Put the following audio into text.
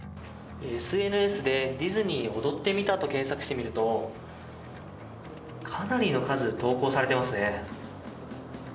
ＳＮＳでディズニー踊ってみたと検索してみるとかなりの数が投稿されていますね。